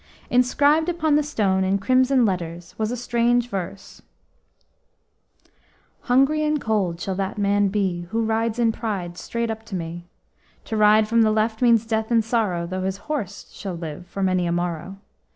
Inscribed upon the stone in crimson letters was a strange verse: Hungry and cold shall that man be Who rides in pride straight up to me; To ride from the left means death and sorrow, Though his horse shall live for many a morrow.